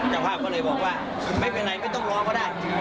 เจ้าภาพก็เลยบอกว่าไม่เป็นไรไม่ต้องรอก็ได้